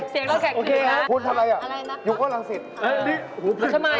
เสียงล่างคลักคืนนะ